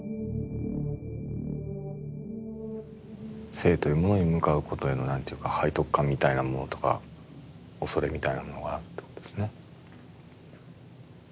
性というものに向かうことへの何ていうか背徳感みたいなものとかおそれみたいなものがあるということですね。